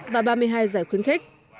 và ba mươi hai giải khuyến khích